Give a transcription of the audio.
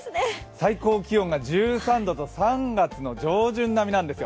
最高気温が１３度と３月の上旬並みなんですよ。